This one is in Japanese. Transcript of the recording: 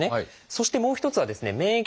そしてもう一つはですね免疫